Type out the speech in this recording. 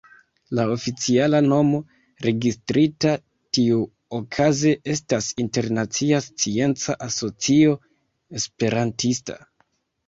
La oficiala nomo, registrita tiuokaze estas Internacia Scienca Asocio Esperantista.